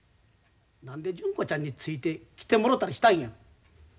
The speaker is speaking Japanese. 何で純子ちゃんについてきてもろたりしたんや。